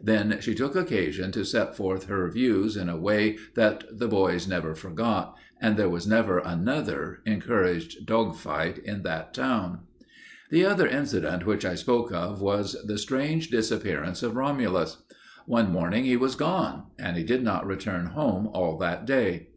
Then she took occasion to set forth her views in a way that the boys never forgot, and there was never another encouraged dog fight in that town. The other incident which I spoke of was the strange disappearance of Romulus. One morning he was gone and he did not return home all that day.